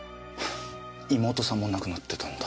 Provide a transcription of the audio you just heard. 妹さんも亡くなってたんだ。